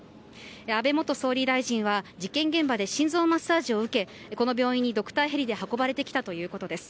安倍元総理大臣は事件現場で心臓マッサージを受けこの病院にドクターヘリで運ばれてきたということです。